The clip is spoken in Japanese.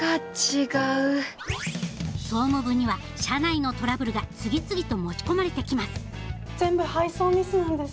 総務部には社内のトラブルが次々と持ち込まれてきます全部配送ミスなんです。